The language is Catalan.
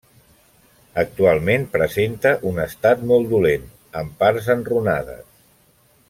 Actualment presenta un estat molt dolent, amb parts enrunades.